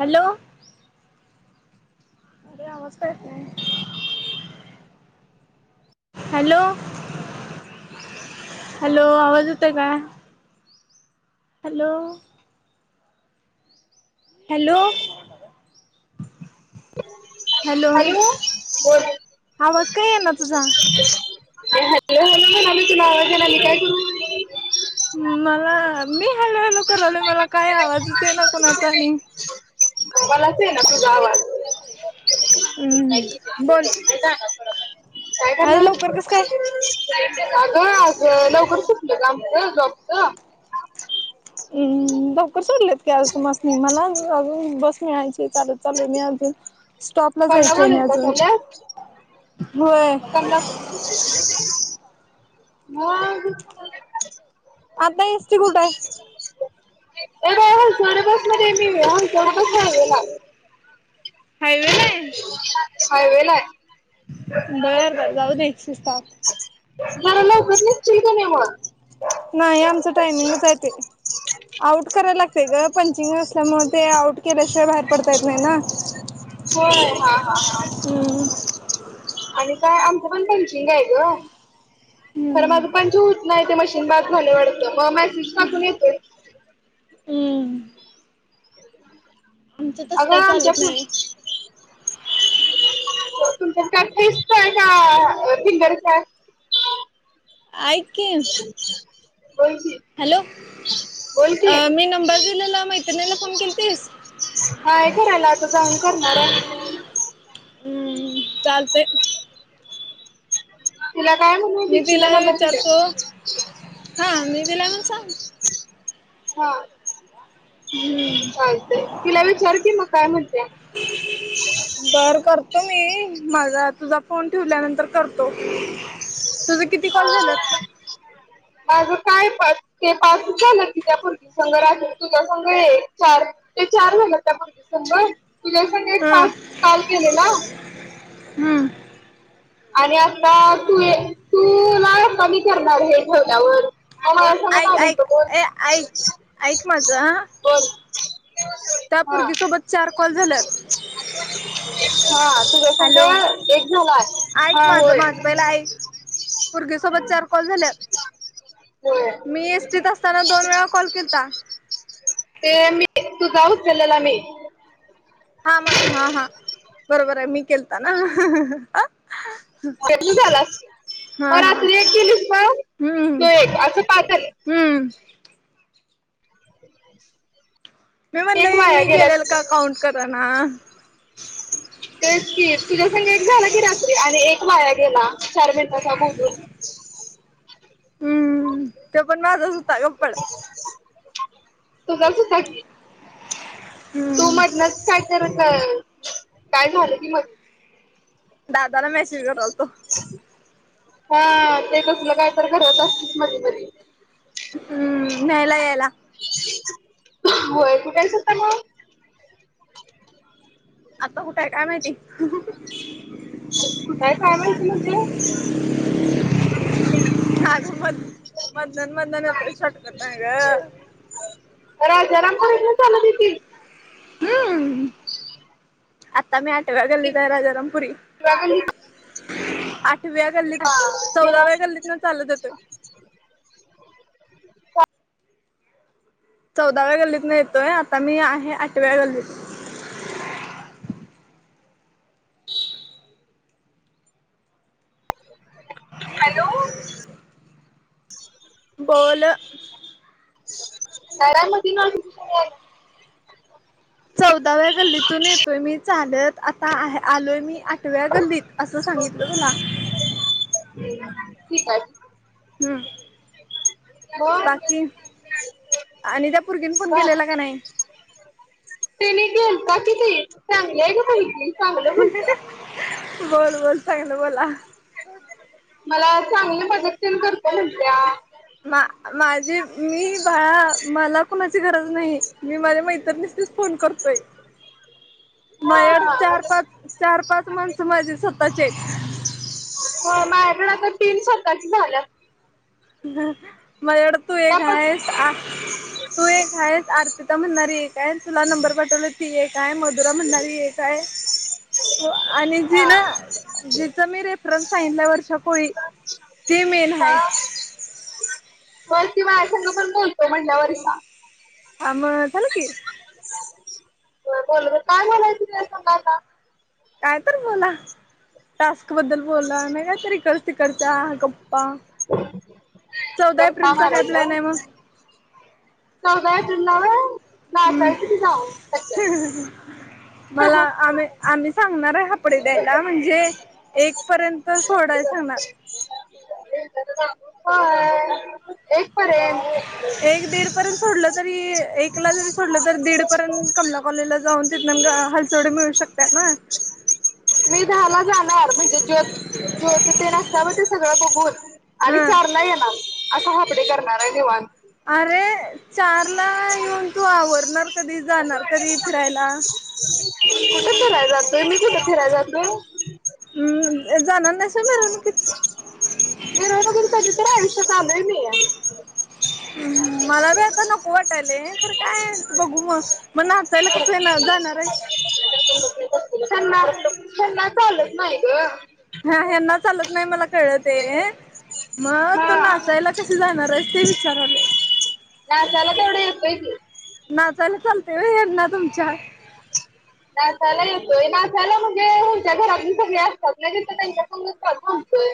Hello अरे आवाज का येत नाही. हॅलो हॅलो आवाज येतोय का हॅलो हॅलो हॅलो बोल आवाज का येईना तुझा. हॅलो हॅलो म्हणालुय तुला आवाज या लागलाय काय करू मला मी हॅलो हॅलो कारलोय मला काय आवाजच येईना कोणाचा आणि मलाच येईना तुझा आवाज. ह. हम्म बोल. इथं आणा थोडं फार [inaudible] काय आज लवकर कसं काय? करणार अगं अगं लवकर सुटलं गं आमचं जॉबचं. हम्म लवकर सोडलेत की आज तुमास्नी मला अजून बस मिळायचीय चालत चाललोय मी अजून. स्टॉपला कमला जायचाय मी कॉलेजला अजून चालल्यास होय. कमला मग आता एस टी कुटाय ए डायवर साडे बसमधे आहे मी आ सोडतोस का हायवेला. हायवेला हाय. हायवेला हाय बर बर जाऊदे जरा लवकर निघचील का नाय मग. नाही आमचं टायमिंगच आहे ते. आऊट कराय लागतंय गं पंचिंग असल्यामुळं ते आऊट केल्याशिवाय बाहेर पडता येत नाही ना. होय हा हा हा आणि काय आमचं पण पंचिंग हाय गं. खरं हम्म माझं पंच हूत नाय ते मशीन बाद झालंय वाडतं मग मेसेज टाकून येतोय. हम्म आमचं तस काय अगं आमच्या चालत फूड नाही. तुमच्या काय फीस्ट हाय का वर फिंगर काय. ऐक की बोल की हॅलो बोल की अ मी नंबर दिलेला मैत्रिणीला फोन केलतीस. नाय करायला आता जाऊन करणार हाय. हूं... चालतंय. तिला काय म्हणू. मी दिला दीक्षिला नंबर दिला विचारतो, हा मी दिला म्हणून सांग. हा. चालतंय, तिला विचार की मग काय म्हणत्या. बर करतो मी, माझा तुझा फोन ठिवल्यानंतर करतो, तुझं किती कॉल झाल्यात? माझं काय पा ते पाच झाल्यात, त्या पोरगीसंग रात्री तुझा संग एक चार. तुझे चार झाल्यात त्या पोरगीसंग? हा... हुं... आणि आता तू तूला आता मी करणार हे ठेवल्यावर. मग मला सांग ऐक, ऐक काढायचं कोण ए ऐक, ऐक माझं. बोल बोल त्या हा पुरगीसोबत चार कॉल झाल्यात. हा तुझ्यासंग एक झालायं. एक माझं, माझं पहिला आईक पुरगीसोबत चार कॉल झाल्यात होय मी एसटीत असताना दोन वेळा कॉल केलता. ते मी तूजा उचल्याला मी. हा मग, हा, हा. बरोबर आहे, मी केलता ना. चुकून झाला असेल, हा मग हा रात्री एक केलीस तो, तो एक असं पाच झाले. हं... [inaudible] मी म्हणलं एक हे वाया मी गेला केलेल का काउंट करणा. तेच की तुझ्या संग एक झाला कि, रात्री आणि एक वाया गेला चार मिनिटांचा बोलून. हं.. त्यो पण माझाच होता. गप्पड तुझाच हुता की. तू हम्म मधनंच काय तर क, काय झालं की मधनंच. दादाला मेसेज करालतो. हा ते कसलं काय तर करत असतीस मधी -मधी. हं.. न्यायला यायला. व्हयं, कुठायस आता मग? आता कुठायं काय माहिती? कुठायं काय माहिती म्हणजे अगं म मधन -मधनच येतोय शॉर्टकट आहे गं. राजारामपुरीतनं चालत येतीस? हं.. आत्ता मी आठव्या की गल्लीत आहे राजारामपुरी. इंदिरा गल्लीत आठव्या गल्लीत आहे, तेव्हा चौदाव्या गल्लीतनं चालत येतोय. चौदाव्या गल्लीतनं येतोय, आता मी आहे आठव्या गल्लीत. हॅलो. बोल. घरामधी [unintelligible] चौदाव्या गल्लीतून येतोय मी चालत. आता आहे आलोय मी आठव्या गल्लीत असं सांगितलं तुला. ठीक आहे. हं... मग बाकी आणि त्या पुरगीनं फोन केलेला का नाही. तिने केलता की ती, चांगली आहे ग बाई ती. बोल-बोल चांगलं बोला. मला चांगली मदत तेन करतोय मदत तेन करतो म्हणत्या. माझी मी बाळा, मला कुणाची गरज नाही, मी माझं माझ्या मैत्रिणीसनीच फोन करतोय. हा माझ्याकड मदत चार-पाच चार-पाच माणसं माझी स्वतःची आहेत. हो माझ्याकडे आता तीन स्वतःची झाल्यत. ह माझ्याकडे तू त्या एक पण आहेस आनी तू एक आहेस, अर्पिता म्हणणारी एक आहे, तुला नंबर पाठवला ती एक आहे, मधुरा म्हणारी एक आहे. हो आणि हा जिना जिचां मी रेफरन्स सांगितला वर्षाकोळी ते मेन हा आहे. वरती बायासंग पण बोलतोय म्हटल्यावर कसा हा मग झालं की. बोलवे काय म्हणायचं तिच्या संग आता काय पण बोला. टास्कं बद्दल बोला, नाही तर इकडच्या-तिकडच्या हा गप्पा चौदा गप्पा एप्रिलचा काय प्लॅन आहे मग. सगळं जणींवे नाचायचं [unintelligible] मला होय आम्ही-आम्ही सांगणार आहे हफ कपडे द्यायला म्हणजे, एक पर्यंत सोडाय सांगणार. होय. एक दीड पर्यंत सोडलं तरी, एकला जरी तरी दीडपर्यंत कमला कॉलेजला जाऊन तिथंन हलचवडी मिळू शकत. त्या ना मी दहाला जाणार, म्हणजे ज्योत-ज्योत ते नसतं ब ते सगळं बघून आणि हा चारला येणार असा हाफ डे करणार आहे निवांत. अरे.. चार ला येऊन तू आवरणार कधी, जाणार कधी फिरायला. कुठं फिरायला जातोय, मी कुठं फिरायला जातो. हम्म जाणार नाहीस मिरवणुकीत मिरवणुकीत कधी तर आयुष्य काढालंय मी या मला बाई आता नको वाटत वाटालय खरं काय बघू मग, मग नाचायला कसं येणार जाणार आहेस. त्यांना त्यांना चालत नाही गं. हा ह्यांना चालत नाही मला कळलं ते. मग हा तू नाचायला कशी जाणार आहेस ते विचाराले. नाचायला तेवढं येतंय कि नाचायला चालते होय यांना तुमच्या नाचायला येतोय, नाचायला म्हणजे ह्याच्या घरातली सगळे असतात तिथं त्यांच्या संग थांबतोय.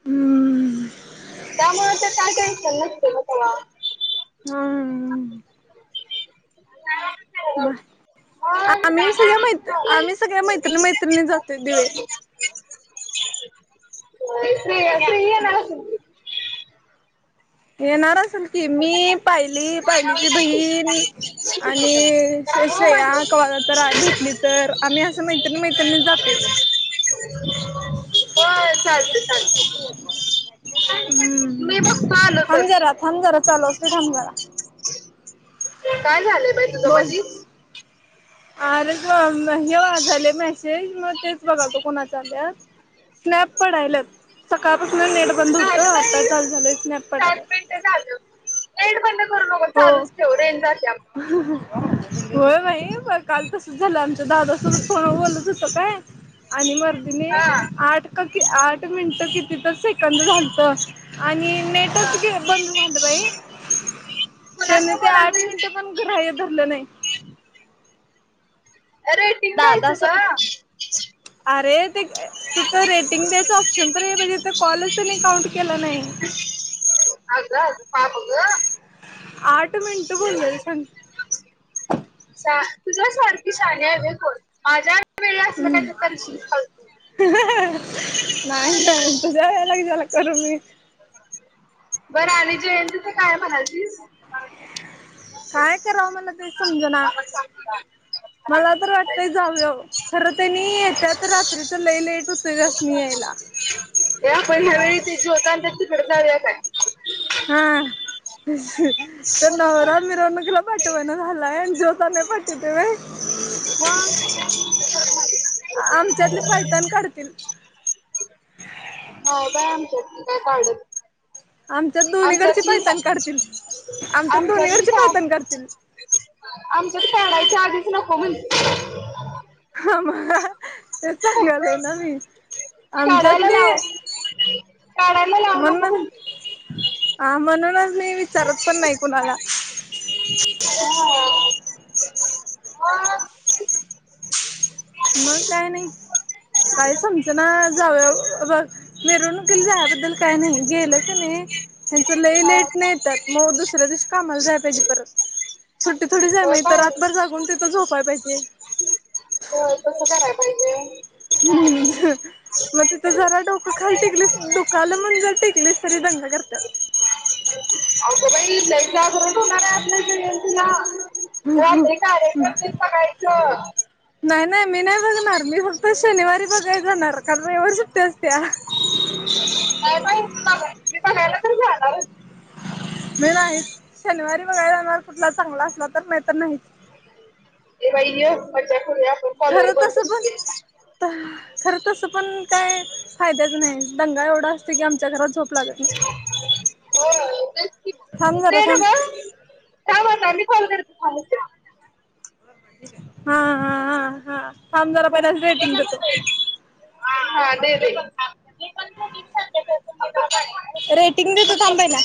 हम. ‌‌. त्यामुळे तर काय टेन्शन नसतेय मग तवा. हम्मम.. म आम्ही सगळ्या मै, आम्ही सगळ्या मैत्रिनी-मैत्रिणी जातोय दिवे. नाही [unintelligible] ह येणार असेल की, मी, पायली, पायलीची बहीण. की आणि श हो श्रेया माझी कवा ला तर भेटली तर आम्ही असं मैत्रिणी मैत्रिणी जातोय. [unintelligible] चालतंय चालतंय. हम्म, बघतो आलो तर थांब जरा थांब जरा चालू असूदे थांब जरा. काय झालंय बाई तुझं बोल मधीच? अरे व हे वाजायलय मेसेज मग तेच बघालतो कोणाचा आल्यात. स्नॅप पडायल्यात, सकाळपासून नेट बंद होतं आता चालू झालंय स्नॅप पडायल्यात. ते झालं, नेट बंद करू नको हो चालूच ठेव रेंज जात्या. होय बाई प काल तसंच झालं आमच्या दा [unintelligible] फोनवर बोलत होतो काय आणि मरदीने हा आठ का कि आठ मिनिटं किती तर सेकंदं झालतं. आणि हा नेटच गे बंद झालं बाई. त्यानी कुणाचं ते आठ बोलालतीस? मिनिटं पण ग्राह्य धरलं नाही. रेटींग दादा द्यायचं सो गं. अरे ते, तिथं रेटिंग द्यायचं ऑप्शन तर याय पाहिजे, ते कॉलच त्याने काउंट केलं नाही. अगं अगं पाप गं. आठ मिनटं बोललेलो सांग सा तुझ्या सारखी शानी हाय वय कोण? माझ्या वेळी असलं कायतर करशील फालतू. नाही नाही, तुझ्या वेळेला कशाला करू मी. बरं आणि जयंतीच काय म्हनालतीस? काय करावं मला तेच समजना, मला तर वाटतंय जावयाव. खरं त्यानी येत्यात रात्रीचं, लय लेट होतुय त्यासनी यायला. ए आपण ह्यावेेळी ते ज्योत आणत्यात तिकडं जाऊया काय? हा. इथं नवरा मिरवणुकीला पाटवना झालाय आणि ज्योत आणाय पाटवतोय वय. मग. आमच्यातली पायताण काढतील. नाही बाय आमच्यातली नाय काढत. आमच्यात दु आमच्यातलिच हाय, आमच्यात दोन्हीकडची आमच्यातलीच पायतान काढतील आमच्यात काढायच्या आधीच नको म्हणत् ह म तेच सांगालोय ना मी. काढायला आमच्यातली लाव काढायला लावू नको म्हणते म्हणूनच हा म्हणूनच मी विचारत पण नाही कुणाला. मग काय नाही. काय समजना जावयाव, हे बघ मिरवणुकीला जाया बद्दल काय नाही, गेलं क नाही, ह्यांचं लय हा लेटनं येत्यात, मग दुसऱ्या दिवशी कामाला जाया पाहिजे परत. सुट्टी थोडीच हाय होय माय, इथं बाय रातभर जागून तिथं झोपाय पाहिजे. होय तसं कराय पाहिजे. हम्म. मग तिथं जरा डोकं खाली टिकलीस, दुखाल म्हणुन जर टिकलीस तरी दंगा करत्यात. अगो बाई लय जागरण होणार हाय आपलं जयंतीला. रात्री कार्यक्रम तेन बघायचं. नाही नाही मी नाही बघणार, मी फक्त शनिवारी बघाय जाणार, कारण रयवारी सुट्टी आसत्या. नाही बई,, तुलाकाय मी बघायला तरी जाणारच. मी नाहीच, शनिवारी बघाय जाणार कुठला चांगला असला तर, नाही तर नाही चं. ए बाई ए, मज्जा करूया. आपण कॉलवर खरं तसं बोलतो पण, खरं तसं पण काय फायद्याच नाही, दंगा एवढा असतोय की आमच्या घरात झोप लागत नाही ‌. होय, तेच कि मग, थांब जरा ते थांब नवं थांब आता, मी कॉल करते थांब हा हा हा हा म, थांब जरा पहिला रेटिंग देतो. हा दे दे. रेटिंग देतो थांब पयला.